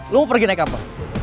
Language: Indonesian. lu mau pergi naik apa